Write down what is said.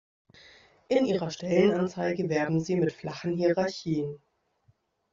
In Ihrer Stellenanzeige werben Sie mit flachen Hierarchien.